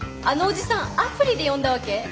あのおじさんアプリで呼んだわけ？